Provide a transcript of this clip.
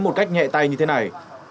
một cách nhẹ tay như thế này